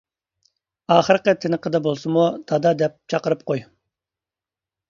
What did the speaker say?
ئاخىرقى تىنىقىدا بولسىمۇ دادا دەپ چاقىرىپ قوي!